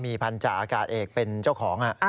มีพันธาอากาศเอกเป็นเจ้าของ